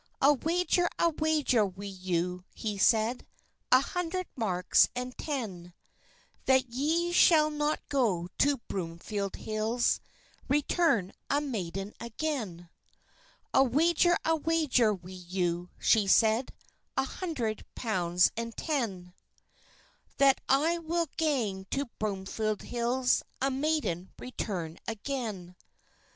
"I'll wager a wager wi' you," he said, "An hundred marks and ten, That ye shall not go to Broomfield Hills, Return a maiden again." "I'll wager a wager wi' you," she said, "A hundred pounds and ten, That I will gang to Broomfield Hills, A maiden return again."